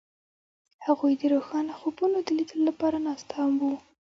هغوی د روښانه خوبونو د لیدلو لپاره ناست هم وو.